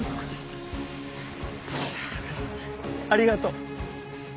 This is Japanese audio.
ありがとう。